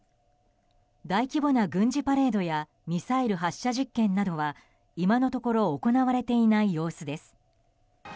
大規模な軍事パレードやミサイル発射事件などは今のところ行われていない様子です。